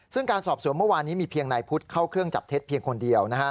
ซึ่งการสอบสวนเมื่อวานนี้มีเพียงนายพุทธเข้าเครื่องจับเท็จเพียงคนเดียว